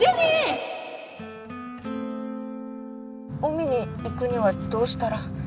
海に行くにはどうしたら。